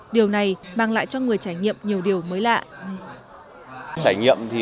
điều này mang lại cho người trải nghiệm nhiều điều mới lạ